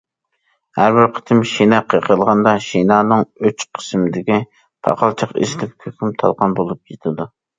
ھەر بىر قېتىم شىنا قېقىلغاندا، شىنانىڭ ئۇچ قىسمىدىكى پاقالچاق ئېزىلىپ كۇكۇم- تالقان بولۇپ كېتىدۇ.